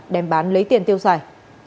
đem bán lấy tiền tiêu xài